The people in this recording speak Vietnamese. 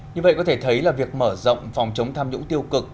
như vậy có thể thấy là việc mở rộng phòng chống tham nhũng tiêu cực